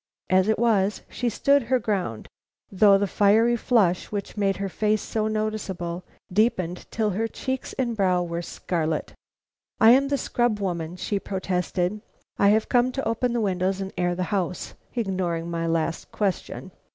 As it was, she stood her ground, though the fiery flush, which made her face so noticeable, deepened till her cheeks and brow were scarlet. "I am the scrub woman," she protested. "I have come to open the windows and air the house," ignoring my last question.